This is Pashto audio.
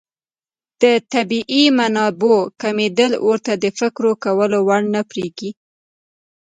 د طبیعي منابعو کمېدل ورته د فکر کولو وړ نه بريښي.